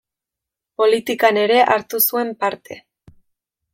Politikan ere hartu zuen parte.